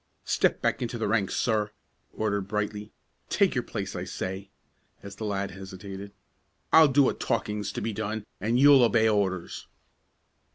"Step back into the ranks, sir!" ordered Brightly. "Take your place, I say!" as the lad hesitated. "I'll do what talking's to be done, and you'll obey orders!"